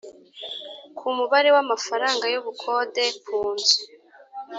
Ku mubare w amafaranga y ubukode ku nzu